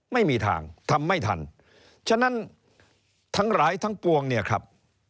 ไม่มีทางทำไม่ทันฉะนั้นทั้งหลายทั้งปวงเนี่ยครับ